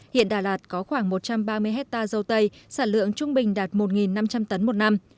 hiện đà lạt có khoảng một trăm ba mươi hectare dâu tây sản lượng trung bình đạt một năm trăm linh tấn một năm